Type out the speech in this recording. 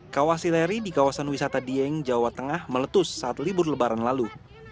kawah sileri di kawasan wisata dieng jawa tengah meletus saat libur lebaran lalu